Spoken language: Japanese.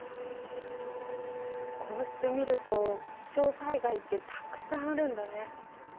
こうして見ると気象災害ってたくさんあるんだね。